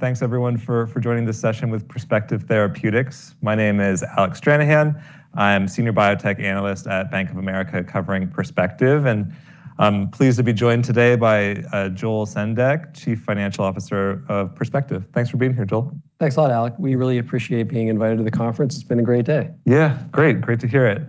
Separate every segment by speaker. Speaker 1: Thanks everyone for joining this session with Perspective Therapeutics. My name is Alec Stranahan. I'm Senior Biotech Analyst at Bank of America, covering Perspective, and I'm pleased to be joined today by Joel Sendek, Chief Financial Officer of Perspective. Thanks for being here, Joel.
Speaker 2: Thanks a lot, Alec. We really appreciate being invited to the conference. It's been a great day.
Speaker 1: Yeah. Great. Great to hear it.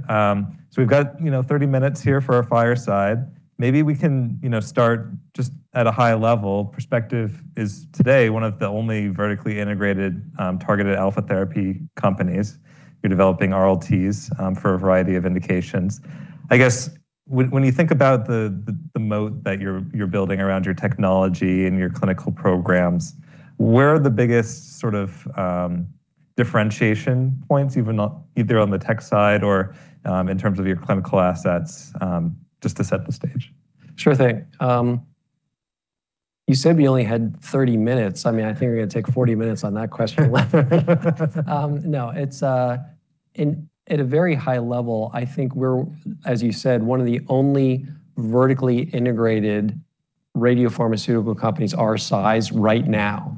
Speaker 1: We've got, you know, 30 minutes here for our fireside. Maybe we can, you know, start just at a high level. Perspective is today one of the only vertically integrated targeted alpha therapy companies. You're developing RLTs for a variety of indications. I guess when you think about the moat that you're building around your technology and your clinical programs, where are the biggest sort of differentiation points, either on the tech side or in terms of your clinical assets, just to set the stage?
Speaker 2: Sure thing. You said we only had 30 minutes. I mean, I think we're gonna take 40 minutes on that question alone. No, it's at a very high level, I think we're, as you said, one of the only vertically integrated radiopharmaceutical companies our size right now.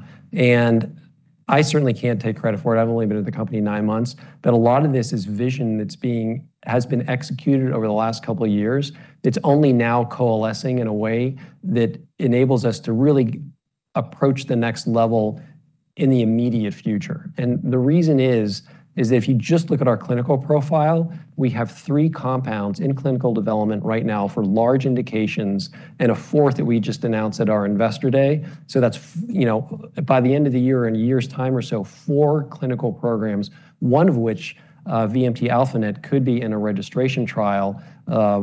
Speaker 2: I certainly can't take credit for it. I've only been at the company nine months, but a lot of this is vision that's been executed over the last couple of years. It's only now coalescing in a way that enables us to really approach the next level in the immediate future. The reason is if you just look at our clinical profile, we have three compounds in clinical development right now for large indications and a fourth that we just announced at our Investor Day. That's, you know, by the end of the year, in a year's time or so, four clinical programs, one of which, VMT-α-NET could be in a registration trial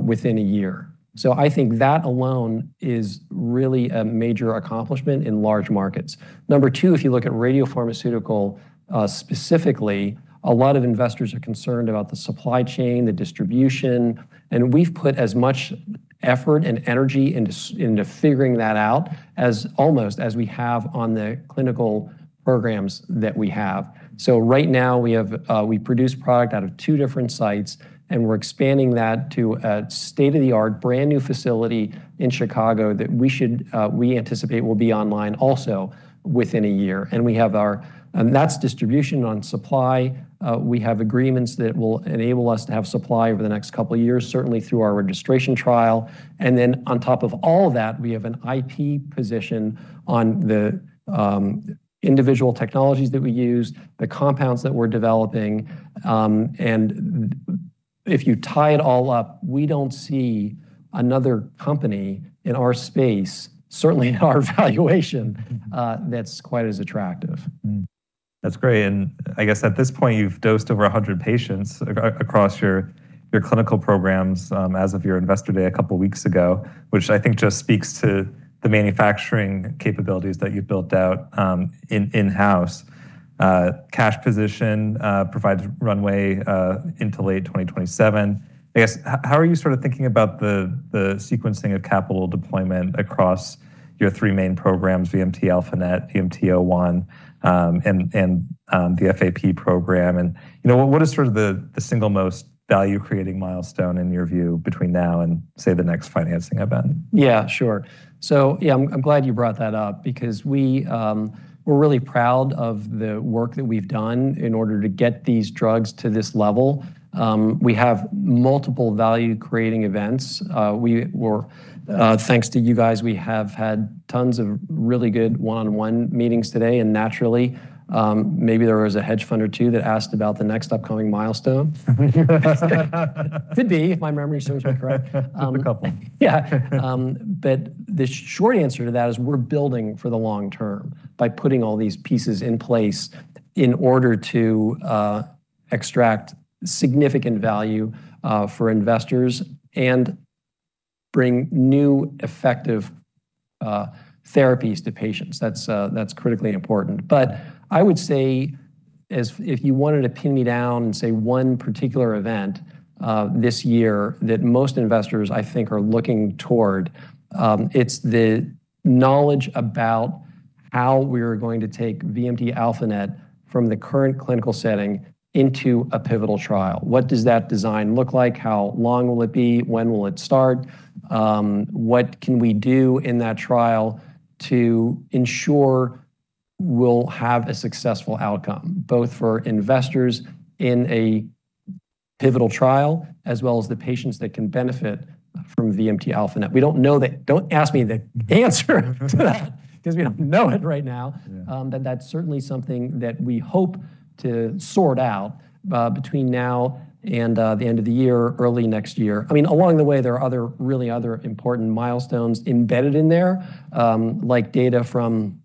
Speaker 2: within a year. I think that alone is really a major accomplishment in large markets. Number two, if you look at radiopharmaceutical specifically, a lot of investors are concerned about the supply chain, the distribution, and we've put as much effort and energy into figuring that out as almost as we have on the clinical programs that we have. Right now we have, we produce product out of two different sites, and we're expanding that to a state-of-the-art brand-new facility in Chicago that we should, we anticipate will be online also within a year. That's distribution on supply. We have agreements that will enable us to have supply over the next couple of years, certainly through our registration trial. On top of all that, we have an IP position on the individual technologies that we use, the compounds that we're developing, and if you tie it all up, we don't see another company in our space, certainly in our valuation, that's quite as attractive.
Speaker 1: That's great. I guess at this point, you've dosed over 100 patients across your clinical programs, as of your investor day a couple weeks ago, which I think just speaks to the manufacturing capabilities that you've built out in-house. Cash position provides runway into late 2027. I guess, how are you sort of thinking about the sequencing of capital deployment across your thre main programs, VMT-α-NET, VMT01, and the FAP program? You know, what is sort of the single most value-creating milestone in your view between now and, say, the next financing event?
Speaker 2: Yeah, sure. Yeah, I'm glad you brought that up because we're really proud of the work that we've done in order to get these drugs to this level. We have multiple value-creating events. Thanks to you guys, we have had tons of really good one-on-one meetings today. Naturally, maybe there was a hedge fund or two that asked about the next upcoming milestone. Could be, if my memory serves me correct.
Speaker 1: A couple.
Speaker 2: Yeah. The short answer to that is we're building for the long term by putting all these pieces in place in order to extract significant value for investors and bring new, effective therapies to patients. That's critically important. I would say if you wanted to pin me down and say one particular event this year that most investors I think are looking toward, it's the knowledge about how we're going to take VMT-α-NET from the current clinical setting into a pivotal trial. What does that design look like? How long will it be? When will it start? What can we do in that trial to ensure we'll have a successful outcome, both for investors in a pivotal trial, as well as the patients that can benefit from VMT-α-NET? We don't know. Don't ask me the answer to that because we don't know it right now.
Speaker 1: Yeah.
Speaker 2: That's certainly something that we hope to sort out between now and the end of the year or early next year. I mean, along the way, there are other, really other important milestones embedded in there, like data from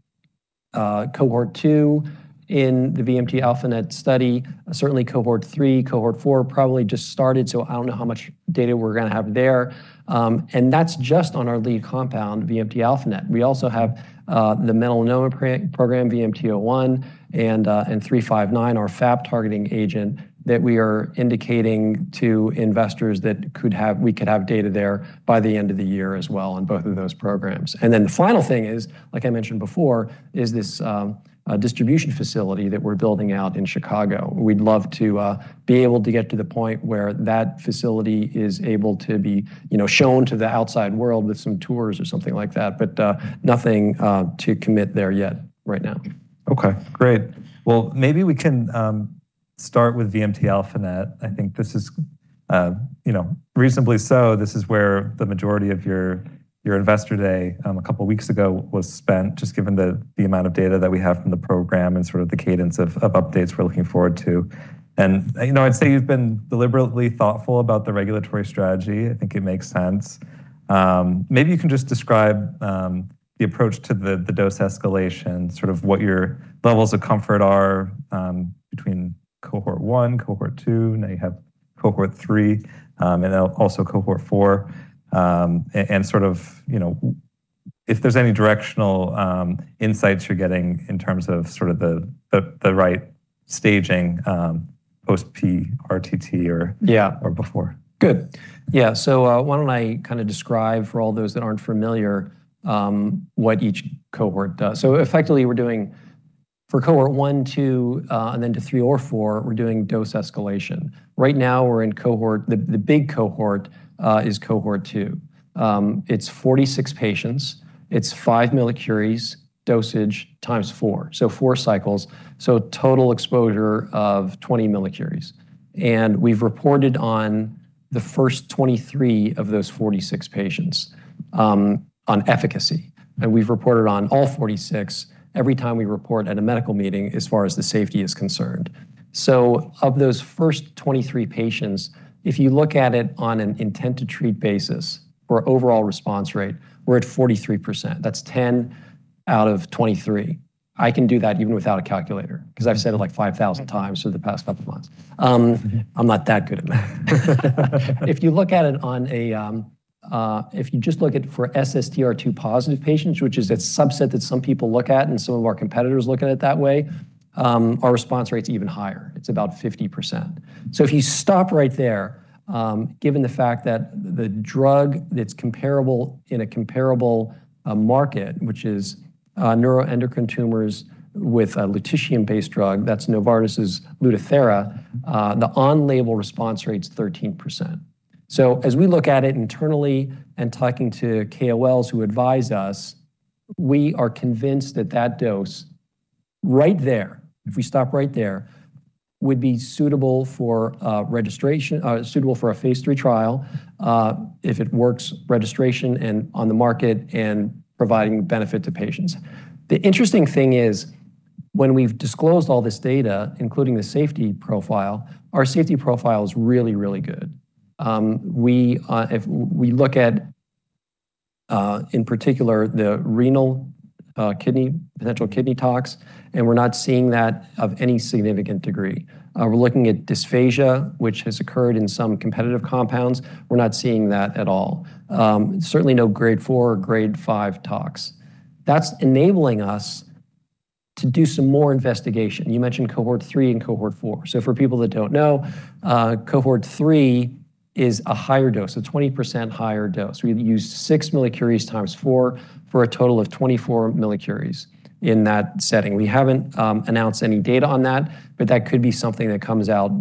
Speaker 2: cohort 2 in the VMT-αNET study. Certainly cohort 3, cohort 4 probably just started, so I don't know how much data we're gonna have there. And that's just on our lead compound, VMT-αNET. We also have the melanoma program, VMT-01, and 359, our FAP targeting agent that we are indicating to investors that we could have data there by the end of the year as well on both of those programs. The final thing is, like I mentioned before, is this distribution facility that we're building out in Chicago. We'd love to be able to get to the point where that facility is able to be, you know, shown to the outside world with some tours or something like that, but nothing to commit there yet right now.
Speaker 1: Okay, great. Maybe we can start with VMT-α-NET. I think this is, you know, reasonably so, this is where the majority of your investor day a couple weeks ago was spent, just given the amount of data that we have from the program and sort of the cadence of updates we're looking forward to. You know, I'd say you've been deliberately thoughtful about the regulatory strategy. I think it makes sense. Maybe you can just describe the approach to the dose escalation, sort of what your levels of comfort are between cohort 1, cohort 2, now you have cohort 3, and now also cohort 4. And sort of, you know, if there's any directional insights you're getting in terms of sort of the right staging post PRRT or before.
Speaker 2: Yeah. Good. Why don't I kind of describe for all those that aren't familiar what each cohort does. Effectively we're doing, for cohort 1, 2, and then to 3 or 4, we're doing dose escalation. Right now we're in cohort. The, the big cohort, is cohort 2. It's 46 patients. It's 5 mCi dosage times four, so four cycles, so total exposure of 20 mCi. We've reported on the first 23 of those 46 patients on efficacy. We've reported on all 46 every time we report at a medical meeting as far as the safety is concerned. Of those first 23 patients, if you look at it on an intent to treat basis or overall response rate, we're at 43%. That's 10 out of 23. I can do that even without a calculator, because I've said it like 5,000 times over the past couple of months. I'm not that good at math. If you look at it on a, if you just look at for SSTR2-positive patients, which is a subset that some people look at and some of our competitors look at it that way, our response rate's even higher. It's about 50%. If you stop right there, given the fact that the drug that's comparable in a comparable market, which is neuroendocrine tumors with a lutetium-based drug, that's Novartis' Lutathera, the on-label response rate's 13%. As we look at it internally and talking to KOLs who advise us, we are convinced that that dose right there, if we stop right there, would be suitable for registration, suitable for a phase III trial, if it works, registration and on the market and providing benefit to patients. The interesting thing is when we've disclosed all this data, including the safety profile, our safety profile is really, really good. We, if we look at in particular the renal, kidney, potential kidney tox, and we're not seeing that of any significant degree. We're looking at dysphagia, which has occurred in some competitive compounds. We're not seeing that at all. Certainly no grade 4 or grade 5 tox. That's enabling us to do some more investigation. You mentioned cohort 3 and cohort 4. For people that don't know, cohort 3 is a higher dose, a 20% higher dose. We use 6 mCi times four for a total of 24 mCi in that setting. We haven't announced any data on that, but that could be something that comes out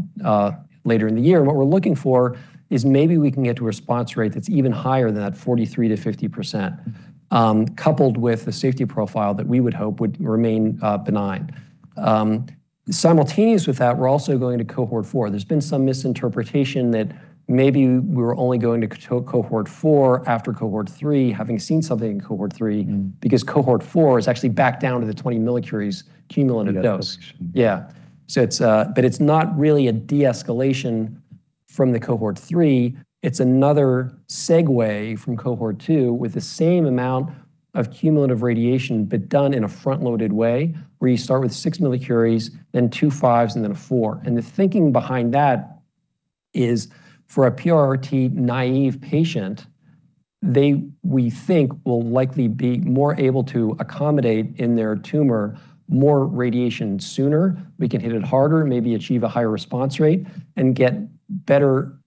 Speaker 2: later in the year. What we're looking for is maybe we can get to a response rate that's even higher than that 43%-50%, coupled with the safety profile that we would hope would remain benign. Simultaneous with that, we're also going to cohort 4. There's been some misinterpretation that maybe we're only going to cohort 4 after cohort 3, having seen something in cohort 3, because cohort 4 is actually back down to the 20 mCi cumulative dose.
Speaker 1: Cumulative.
Speaker 2: Yeah. It's, but it's not really a de-escalation from the cohort 3. It's another segue from cohort 2 with the same amount of cumulative radiation, but done in a front-loaded way, where you start with 6 mCi, then two fives, and then a four. The thinking behind that is for a PRRT-naive patient, they, we think, will likely be more able to accommodate in their tumor more radiation sooner. We can hit it harder, maybe achieve a higher response rate, and get better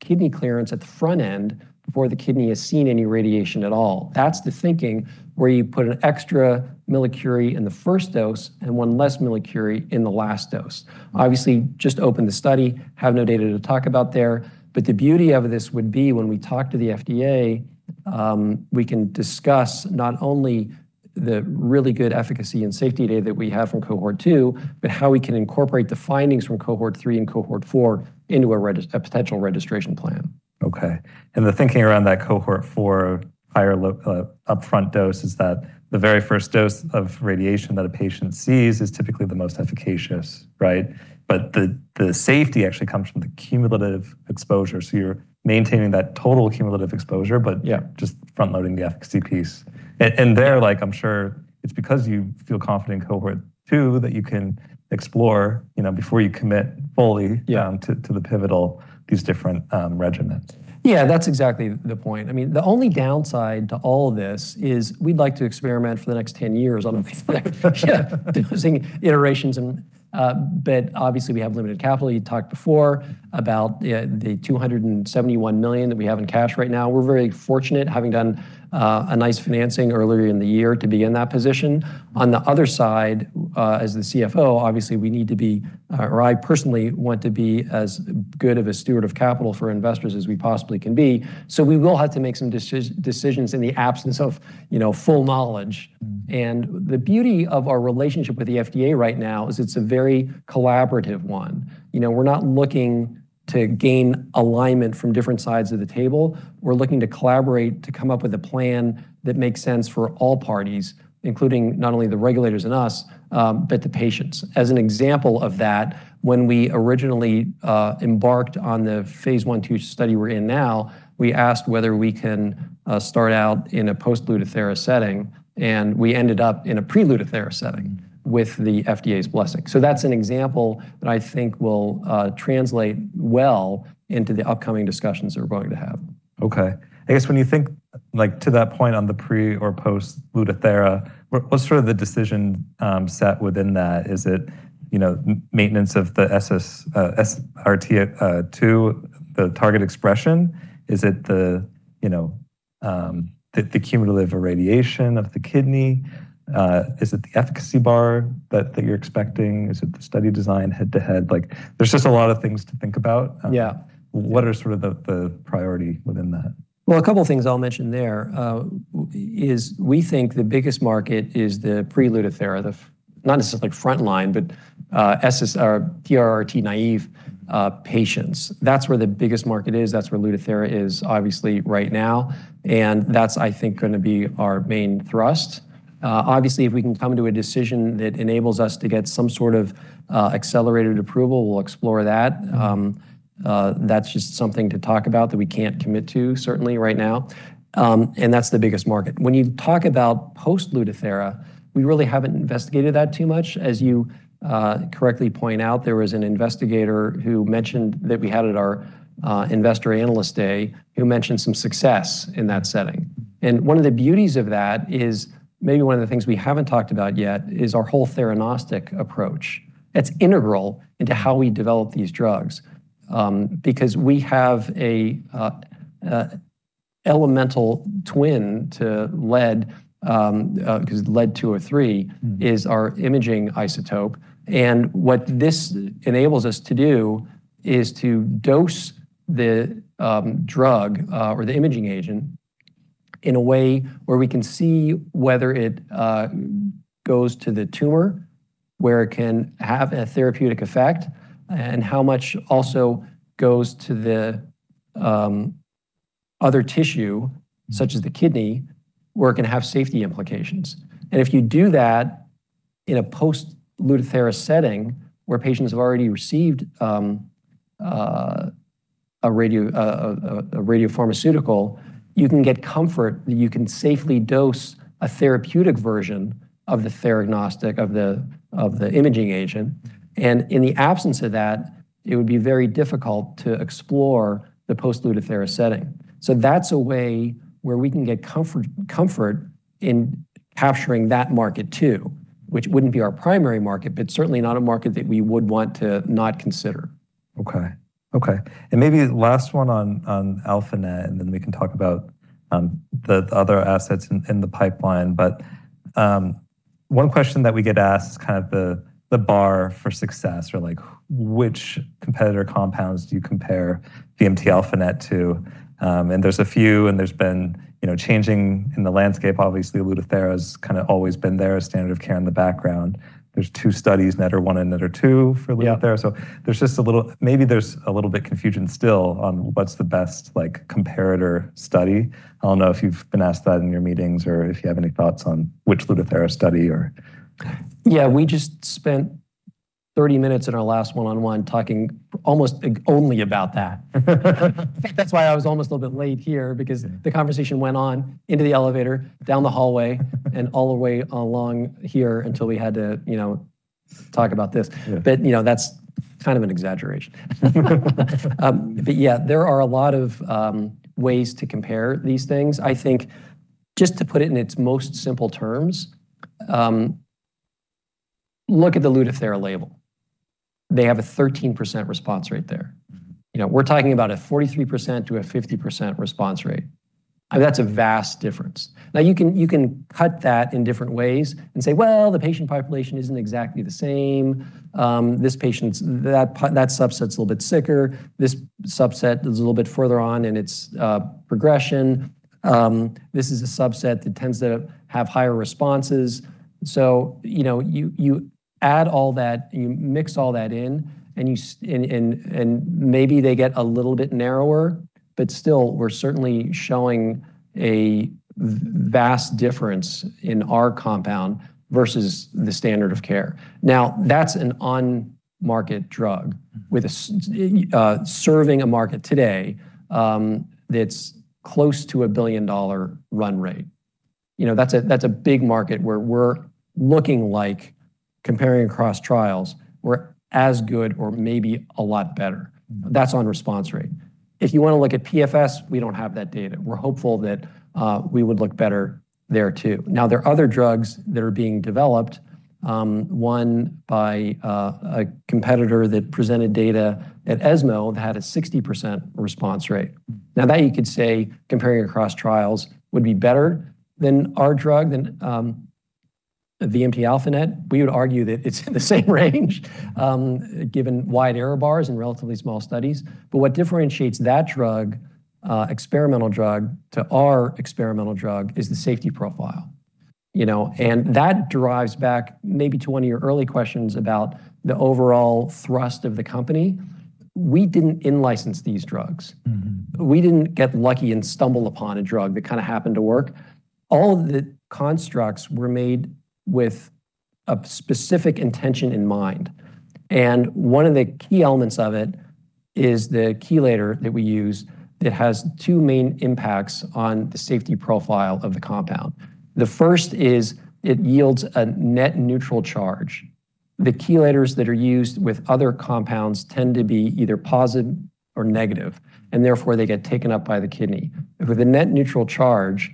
Speaker 2: kidney clearance at the front end before the kidney has seen any radiation at all. That's the thinking, where you put an extra millicurie in the first dose and one less millicurie in the last dose. Obviously, just opened the study, have no data to talk about there. The beauty of this would be when we talk to the FDA, we can discuss not only the really good efficacy and safety data that we have from cohort 2, but how we can incorporate the findings from cohort 3 and cohort 4 into a potential registration plan.
Speaker 1: Okay. The thinking around that cohort 4 higher upfront dose is that the very first dose of radiation that a patient sees is typically the most efficacious, right? The safety actually comes from the cumulative exposure. You're maintaining that total cumulative exposure, but yeah, just front loading the efficacy piece. There, like I'm sure it's because you feel confident in cohort 2 that you can explore, you know, before you commit fully to the pivotal, these different, regimens.
Speaker 2: Yeah, that's exactly the point. I mean, the only downside to all of this is we'd like to experiment for the next 10 years on dosing iterations, and obviously we have limited capital. You talked before about the $271 million that we have in cash right now. We're very fortunate having done a nice financing earlier in the year to be in that position. On the other side, as the CFO, obviously we need to be, or I personally want to be as good of a steward of capital for investors as we possibly can be. We will have to make some decisions in the absence of, you know, full knowledge. The beauty of our relationship with the FDA right now is it's a very collaborative one. You know, we're not looking to gain alignment from different sides of the table, we're looking to collaborate to come up with a plan that makes sense for all parties, including not only the regulators and us, but the patients. As an example of that, when we originally embarked on the phase I/II study we're in now, we asked whether we can start out in a post-Lutathera setting, and we ended up in a pre-Lutathera setting with the FDA's blessing. That's an example that I think will translate well into the upcoming discussions that we're going to have.
Speaker 1: Okay. I guess when you think, like, to that point on the pre or post-Lutathera, what's sort of the decision set within that? Is it, you know, maintenance of the SSTR2, the target expression? Is it the, you know, the cumulative irradiation of the kidney? Is it the efficacy bar that you're expecting? Is it the study design head-to-head? Like, there's just a lot of things to think about.
Speaker 2: Yeah.
Speaker 1: What are sort of the priority within that?
Speaker 2: Well, a couple of things I'll mention there, we think the biggest market is the pre-Lutathera, not necessarily frontline, but PRRT-naive patients. That's where the biggest market is. That's where Lutathera is obviously right now, and that's, I think, gonna be our main thrust. Obviously, if we can come to a decision that enables us to get some sort of accelerated approval, we'll explore that. That's just something to talk about that we can't commit to certainly right now. That's the biggest market. When you talk about post-Lutathera, we really haven't investigated that too much. As you correctly point out, there was an investigator who mentioned that we had at our investor analyst day who mentioned some success in that setting. One of the beauties of that is maybe one of the things we haven't talked about yet is our whole theranostic approach. That's integral into how we develop these drugs, because we have a elemental twin to lead, 'cause lead-203 is our imaging isotope. What this enables us to do is to dose the drug or the imaging agent in a way where we can see whether it goes to the tumor, where it can have a therapeutic effect and how much also goes to the other tissue, such as the kidney, where it can have safety implications. If you do that in a post-Lutathera setting where patients have already received a radiopharmaceutical, you can get comfort that you can safely dose a therapeutic version of the theranostic of the imaging agent. In the absence of that, it would be very difficult to explore the post-Lutathera setting. That's a way where we can get comfort in capturing that market too, which wouldn't be our primary market, but certainly not a market that we would want to not consider.
Speaker 1: Okay. Okay. Maybe last one on α-NET, then we can talk about the other assets in the pipeline. One question that we get asked is kind of the bar for success or, like, which competitor compounds do you compare VMT-α-NET to? There's a few, and there's been, you know, changing in the landscape. Obviously, Lutathera's kinda always been there, a standard of care in the background. There's two studies, NETTER-1 and NETTER-2 for Lutathera.
Speaker 2: Yeah.
Speaker 1: There's just a little bit confusion still on what's the best, like, comparator study. I don't know if you've been asked that in your meetings or if you have any thoughts on which Lutathera study.
Speaker 2: Yeah, we just spent 30 minutes in our last one-on-one talking almost only about that. That's why I was almost a little bit late here because the conversation went on into the elevator, down the hallway, and all the way along here until we had to, you know, talk about this. You know, that's kind of an exaggeration. Yeah, there are a lot of ways to compare these things. I think just to put it in its most simple terms, look at the Lutathera label. They have a 13% response rate there. You know, we're talking about a 43%-50% response rate. I mean, that's a vast difference. You can cut that in different ways and say, "Well, the patient population isn't exactly the same. This subset's a little bit sicker. This subset is a little bit further on in its progression. This is a subset that tends to have higher responses." You know, you add all that, you mix all that in, and maybe they get a little bit narrower. Still, we're certainly showing a vast difference in our compound versus the standard of care. That's an on-market drug with a serving a market today, that's close to a billion-dollar run rate. You know, that's a big market where we're looking like comparing across trials, we're as good or maybe a lot better. That's on response rate. If you wanna look at PFS, we don't have that data. We're hopeful that we would look better there too. There are other drugs that are being developed, one by a competitor that presented data at ESMO that had a 60% response rate. That you could say comparing across trials would be better than our drug than the VMT-α-NET. We would argue that it's in the same range, given wide error bars and relatively small studies. What differentiates that drug, experimental drug to our experimental drug is the safety profile. You know, that drives back maybe to one of your early questions about the overall thrust of the company. We didn't in-license these drugs. We didn't get lucky and stumble upon a drug that kinda happened to work. All the constructs were made with a specific intention in mind, and one of the key elements of it is the chelator that we use that has two main impacts on the safety profile of the compound. The first is it yields a net neutral charge. The chelators that are used with other compounds tend to be either positive or negative, and therefore they get taken up by the kidney. With a net neutral charge,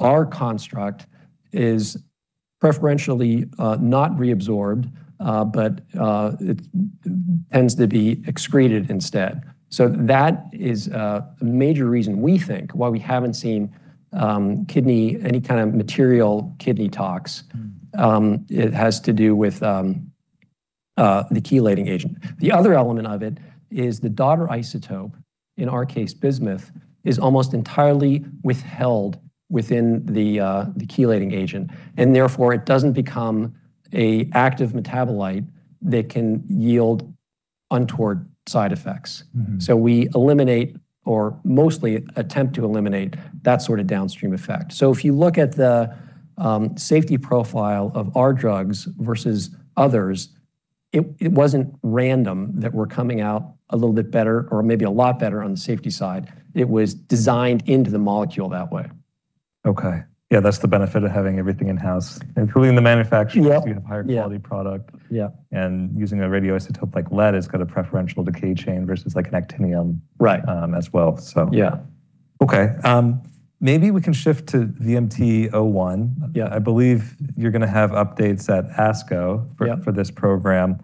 Speaker 2: our construct is preferentially not reabsorbed, but it tends to be excreted instead. That is a major reason we think why we haven't seen any kind of material kidney tox. It has to do with the chelating agent. The other element of it is the daughter isotope, in our case bismuth, is almost entirely withheld within the chelating agent, and therefore it doesn't become an active metabolite that can yield untoward side effects. We eliminate, or mostly attempt to eliminate, that sort of downstream effect. If you look at the safety profile of our drugs versus others, it wasn't random that we're coming out a little bit better or maybe a lot better on the safety side. It was designed into the molecule that way.
Speaker 1: Okay. Yeah, that's the benefit of having everything in-house, including the manufacturing.
Speaker 2: Yep. Yeah
Speaker 1: You have a higher quality product.
Speaker 2: Yeah.
Speaker 1: Using a radioisotope like lead has got a preferential decay chain versus like an actinium-.
Speaker 2: Right
Speaker 1: um, as well, so.
Speaker 2: Yeah.
Speaker 1: Okay. Maybe we can shift to VMT-01.
Speaker 2: Yeah.
Speaker 1: I believe you're gonna have updates at ASCO for this program.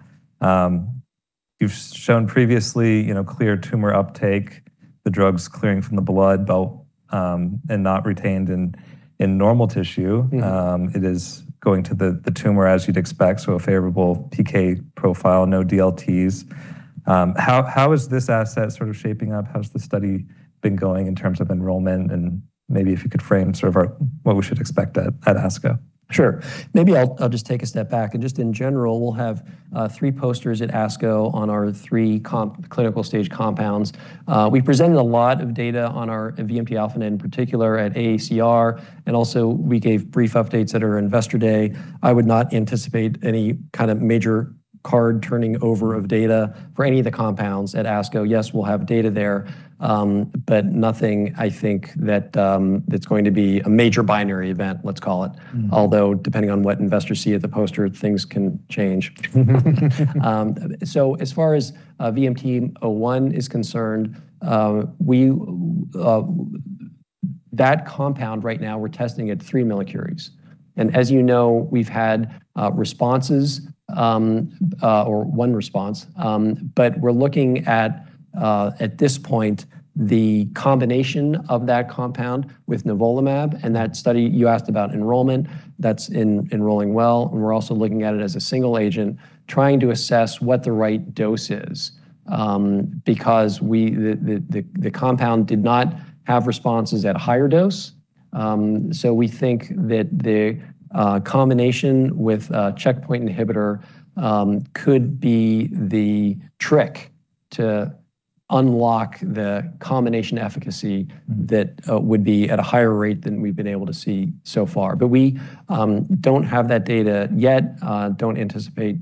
Speaker 1: you've shown previously, you know, clear tumor uptake, the drugs clearing from the blood, and not retained in normal tissue. It is going to the tumor, as you'd expect, so a favorable PK profile, no DLTs. How is this asset sort of shaping up? How's the study been going in terms of enrollment? Maybe if you could frame sort of what we should expect at ASCO.
Speaker 2: Sure. Maybe I'll just take a step back, and just in general, we'll have three posters at ASCO on our three clinical stage compounds. We presented a lot of data on our VMT-α-NET in particular at AACR, and also we gave brief updates at our investor day. I would not anticipate any kind of major card turning over of data for any of the compounds at ASCO. Yes, we'll have data there, but nothing, I think, that's going to be a major binary event, let's call it. Depending on what investors see at the poster, things can change. As far as VMT-01 is concerned, That compound right now we're testing at 3 mCi. As you know, we've had responses or one response, we're looking at at this point, the combination of that compound with nivolumab. That study you asked about enrollment, that's enrolling well, we're also looking at it as a single agent, trying to assess what the right dose is, because the compound did not have responses at a higher dose. We think that the combination with a checkpoint inhibitor could be the trick to unlock the combination efficacy. That would be at a higher rate than we've been able to see so far. We don't have that data yet, don't anticipate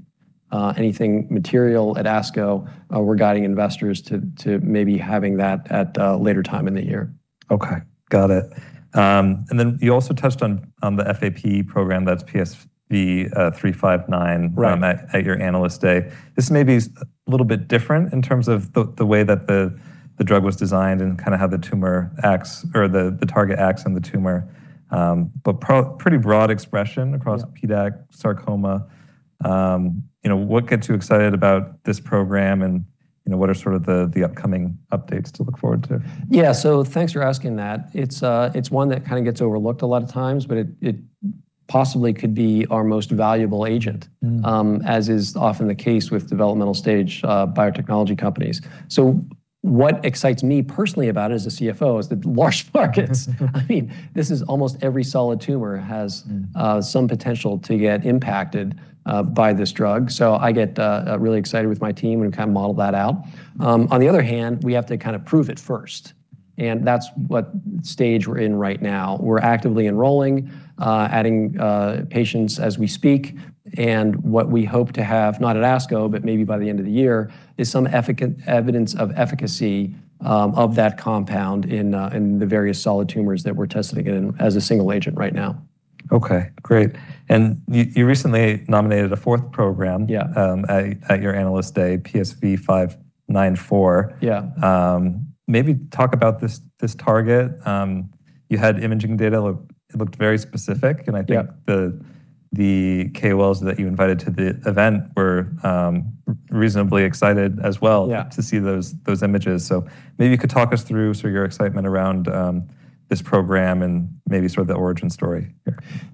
Speaker 2: anything material at ASCO. We're guiding investors to maybe having that at a later time in the year.
Speaker 1: Okay. Got it. You also touched on the FAP program, that's PSV359.
Speaker 2: Right
Speaker 1: At your Analyst Day. This may be a little bit different in terms of the way that the drug was designed and kinda how the tumor acts or the target acts on the tumor. Pretty broad expression across PDAC sarcoma. You know, what gets you excited about this program? You know, what are sort of the upcoming updates to look forward to?
Speaker 2: Yeah. Thanks for asking that. It's, it's one that kinda gets overlooked a lot of times, but it possibly could be our most valuable agent. As is often the case with developmental stage biotechnology companies. What excites me personally about it as a CFO is the large markets. I mean, this is almost every solid tumor has some potential to get impacted by this drug. So I get really excited with my team. We've kinda modeled that out. On the other hand, we have to kinda prove it first, and that's what stage we're in right now. We're actively enrolling, adding patients as we speak. And what we hope to have, not at ASCO, but maybe by the end of the year, is some evidence of efficacy of that compound in the various solid tumors that we're testing it in as a single agent right now.
Speaker 1: Okay. Great. You recently nominated a fourth program-
Speaker 2: Yeah
Speaker 1: at your Analyst Day, PSV594.
Speaker 2: Yeah.
Speaker 1: Maybe talk about this target. You had imaging data it looked very specific.
Speaker 2: Yeah.
Speaker 1: I think the KOLs that you invited to the event were reasonably excited as well to see those images. Maybe you could talk us through sort of your excitement around this program and maybe sort of the origin story.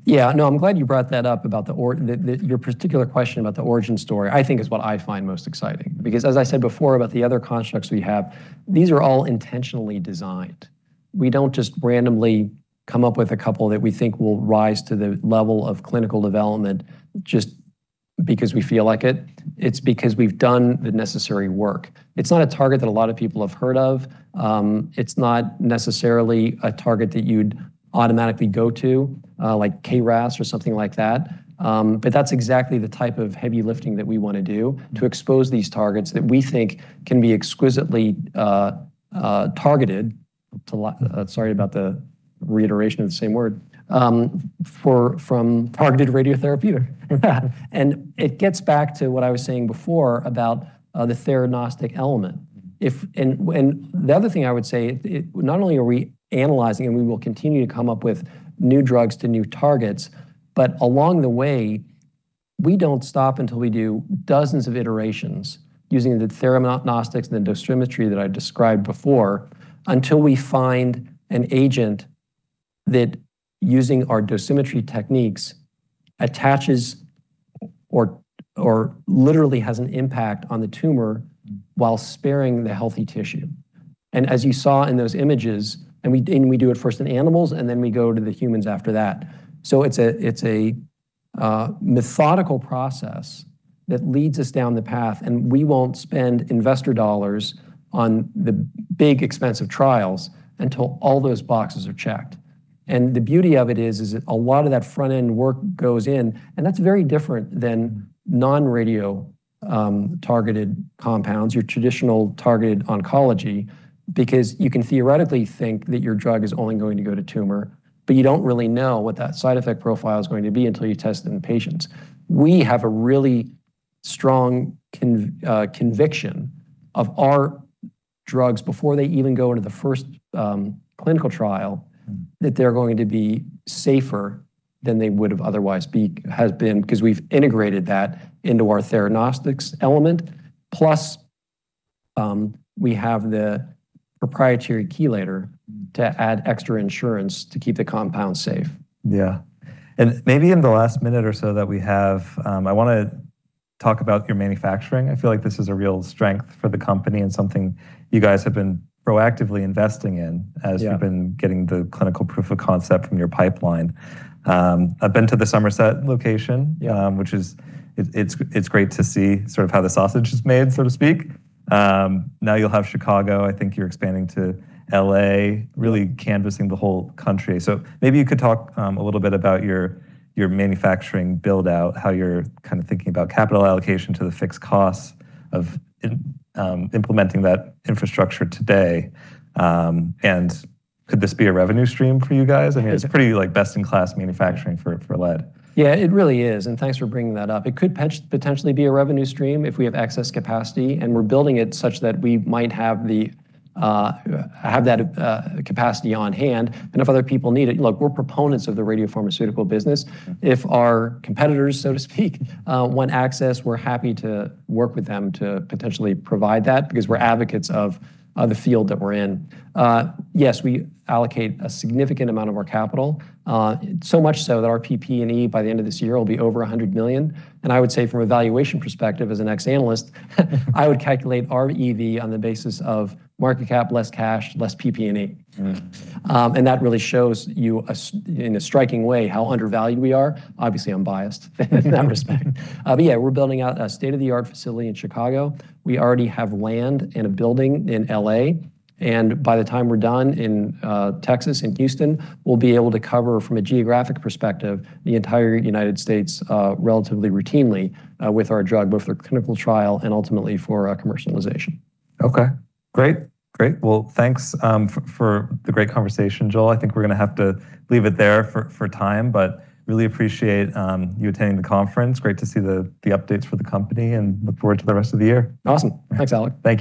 Speaker 2: No, I'm glad you brought that up about your particular question about the origin story I think is what I find most exciting. As I said before about the other constructs we have, these are all intentionally designed. We don't just randomly come up with a couple that we think will rise to the level of clinical development just because we feel like it. It's because we've done the necessary work. It's not a target that a lot of people have heard of. It's not necessarily a target that you'd automatically go to, like KRAS or something like that. That's exactly the type of heavy lifting that we wanna do to expose these targets that we think can be exquisitely targeted. Sorry about the reiteration of the same word. It gets back to what I was saying before about the theranostic element. The other thing I would say, not only are we analyzing and we will continue to come up with new drugs to new targets, but along the way, we don't stop until we do dozens of iterations using the theranostics and the dosimetry that I described before, until we find an agent that using our dosimetry techniques attaches or literally has an impact on the tumor while sparing the healthy tissue. As you saw in those images, and we do it first in animals, and then we go to the humans after that. It's a methodical process that leads us down the path, and we won't spend investor dollars on the big, expensive trials until all those boxes are checked. The beauty of it is that a lot of that front-end work goes in, and that's very different than non-radio targeted compounds, your traditional targeted oncology, because you can theoretically think that your drug is only going to go to tumor, but you don't really know what that side effect profile is going to be until you test it in patients. We have a really strong conviction of our drugs before they even go into the first clinical trial that they're going to be safer than they would've otherwise has been, because we've integrated that into our theranostics element. Plus, we have the proprietary chelator to add extra insurance to keep the compound safe.
Speaker 1: Yeah. Maybe in the last minute or so that we have, I wanna talk about your manufacturing. I feel like this is a real strength for the company and something you guys have been proactively investing in as you've been getting the clinical proof of concept from your pipeline. I've been to the Somerset location which is it's great to see sort of how the sausage is made, so to speak. Now you'll have Chicago, I think you're expanding to L.A., really canvassing the whole country. Maybe you could talk, a little bit about your manufacturing build-out, how you're kinda thinking about capital allocation to the fixed costs of implementing that infrastructure today. Could this be a revenue stream for you guys?
Speaker 2: Yeah.
Speaker 1: I mean, it's pretty, like, best in class manufacturing for lead.
Speaker 2: Yeah, it really is. Thanks for bringing that up. It could potentially be a revenue stream if we have excess capacity, and we're building it such that we might have the capacity on hand. If other people need it, look, we're proponents of the radiopharmaceutical business. If our competitors, so to speak, want access, we're happy to work with them to potentially provide that because we're advocates of the field that we're in. Yes, we allocate a significant amount of our capital, so much so that our PP&E by the end of this year will be over $100 million. I would say from a valuation perspective, as an ex analyst, I would calculate our EV on the basis of market cap less cash, less PP&E. That really shows you in a striking way how undervalued we are. Obviously, I'm biased in that respect. Yeah, we're building out a state-of-the-art facility in Chicago. We already have land and a building in L.A., by the time we're done in Texas and Houston, we'll be able to cover from a geographic perspective the entire United States relatively routinely with our drug, both for clinical trial and ultimately for commercialization.
Speaker 1: Okay, great. Great. Well, thanks for the great conversation, Joel. I think we're gonna have to leave it there for time, but really appreciate you attending the conference. Great to see the updates for the company and look forward to the rest of the year.
Speaker 2: Awesome. Thanks, Alec.
Speaker 1: Thank you.